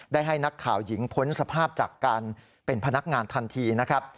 ได้ให้นักข่าวหญิงพ้นสภาพจากการเป็นพนักงานทันทีนะครับ